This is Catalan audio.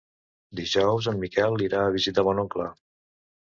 Dijous en Miquel irà a visitar mon oncle.